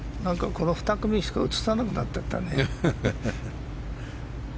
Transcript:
この２組しか映さなくなっちゃったね。